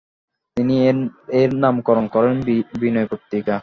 তিনি এর নামকরণ করেন বিনয় পত্রিকা।